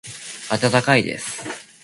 温かいです。